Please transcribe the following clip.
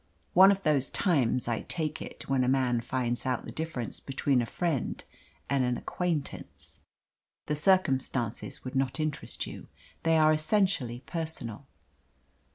One of those times, I take it, when a man finds out the difference between a friend and an acquaintance. The circumstances would not interest you. They are essentially personal.